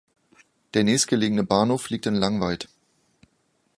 Der nächstgelegene Bahnhof liegt in Langweid.